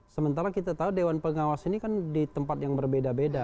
sementara kita tahu dewan pengawas ini kan di tempat yang berbeda beda